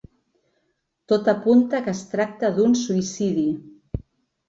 Tot apunta que es tracta d’un suïcidi.